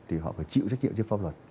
thì họ phải chịu trách nhiệm trên pháp luật